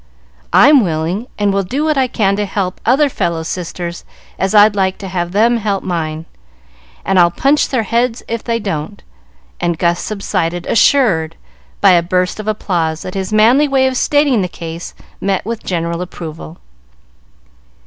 I'm willing, and will do what I can to help other fellows' sisters as I'd like to have them help mine. And I'll punch their heads if they don't;" and Gus subsided, assured, by a burst of applause, that his manly way of stating the case met with general approval.